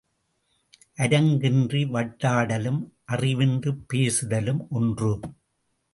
அரங்கு இன்றி வட்டாடலும் அறிவின்றிப் பேசுதலும் ஒன்று.